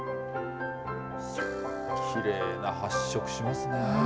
きれいな発色しますね。